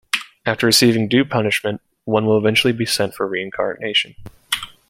After receiving due punishment, one will eventually be sent for reincarnation.